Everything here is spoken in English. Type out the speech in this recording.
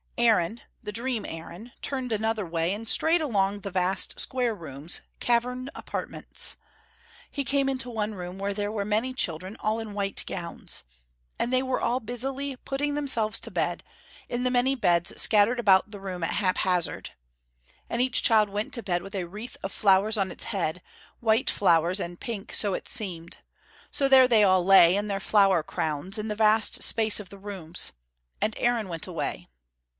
Aaron, the dream Aaron, turned another way, and strayed along the vast square rooms, cavern apartments. He came into one room where there were many children, all in white gowns. And they were all busily putting themselves to bed, in the many beds scattered about the room at haphazard. And each child went to bed with a wreath of flowers on its head, white flowers and pink, so it seemed. So there they all lay, in their flower crowns in the vast space of the rooms. And Aaron went away.